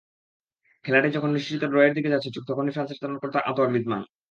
খেলাটি যখন নিশ্চিত ড্রয়ের দিকে যাচ্ছে, ঠিক তখনই ফ্রান্সের ত্রাণকর্তা আতোয়াঁ গ্রিজমান।